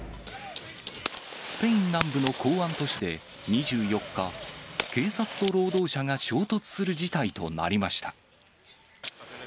スペイン南部の港湾都市で２４日、警察と労働者が衝突する事態となりました。